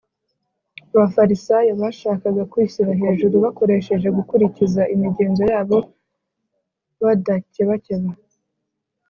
abafarisayo bashakaga kwishyira hejuru bakoresheje gukurikiza imigenzo yabo badakebakeba